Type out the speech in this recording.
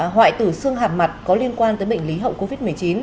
họa tử xương hàm mặt có liên quan đến bệnh lý hậu covid một mươi chín